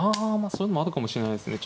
そういうのもあるかもしれないですね。